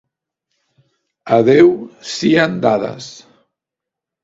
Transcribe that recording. A Déu sien dades!